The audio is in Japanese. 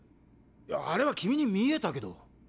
やあれは君に見えたけど。